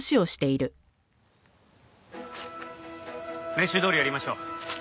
練習どおりやりましょう。